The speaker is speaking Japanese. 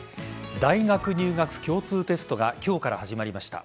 大学入学共通テストが今日から始まりました。